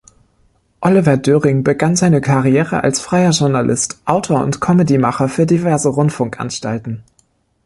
Oliver Döring begann seine Karriere als freier Journalist, Autor und Comedy-Macher für diverse Rundfunkanstalten.